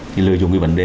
thì lợi dụng cái vấn đề